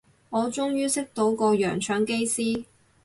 我終於識到個洋腸機師